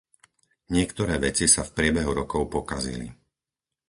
Niektoré veci sa v priebehu rokov pokazili.